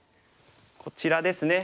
こちらですね。